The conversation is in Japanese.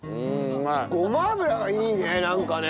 ごま油がいいねなんかね。